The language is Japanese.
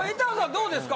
どうですか？